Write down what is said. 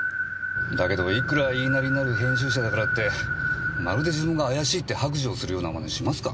だけどいくら言いなりになる編集者だからってまるで自分が怪しいって白状するような真似しますか？